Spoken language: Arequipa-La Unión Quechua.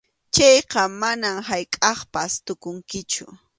Chayqa manam haykʼappas tukunkichu.